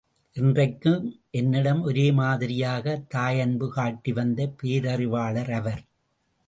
என்றைக்கும் என்னிடம் ஒரே மாதிரியாக தாயன்பு காட்டி வந்த பேரறிவாளர் அவர்.